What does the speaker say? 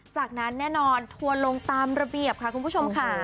จากนั้นแน่นอนทัวร์ลงตามระเบียบค่ะคุณผู้ชมค่ะ